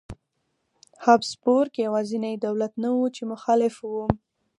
هابسبورګ یوازینی دولت نه و چې مخالف و.